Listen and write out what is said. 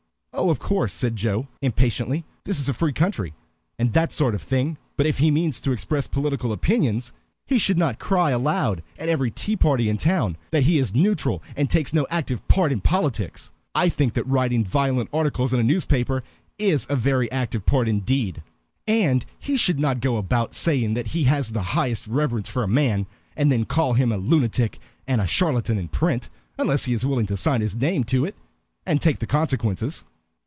"Oh, of course," said Joe, impatiently. "This is a free country, and that sort of thing. But if he means to express political opinions he should not cry aloud at every tea party in town that he is neutral and takes no active part in politics. I think that writing violent articles in a newspaper is a very active part indeed. And he should not go about saying that he has the highest reverence for a man, and then call him a lunatic and a charlatan in print, unless he is willing to sign his name to it, and take the consequences.